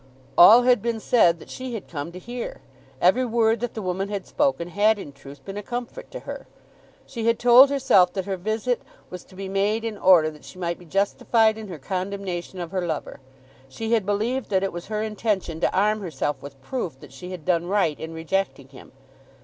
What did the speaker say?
All had been said that she had come to hear. Every word that the woman had spoken had in truth been a comfort to her. She had told herself that her visit was to be made in order that she might be justified in her condemnation of her lover. She had believed that it was her intention to arm herself with proof that she had done right in rejecting him.